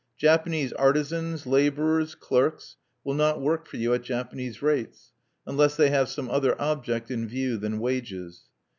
Japanese artisans, laborers, clerks, will not work for you at Japanese rates unless they have some other object in view than wages.